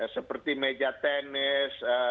seperti meja tenis